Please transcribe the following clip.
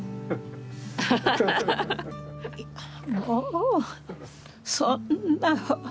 もうそんな私に